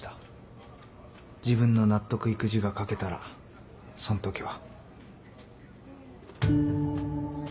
自分の納得いく字が書けたらそんときは。